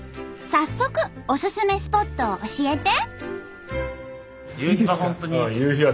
早速おすすめスポットを教えて！